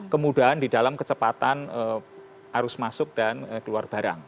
kemudahan di dalam kecepatan arus masuk dan keluar barang